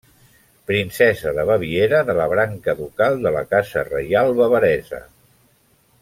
Princesa de Baviera de la branca ducal de la Casa reial bavaresa.